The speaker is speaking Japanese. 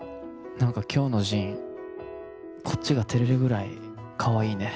何か今日の神こっちがてれるぐらいかわいいね。